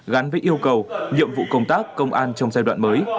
gắn với yêu cầu nhiệm vụ công tác công an trong giai đoạn mới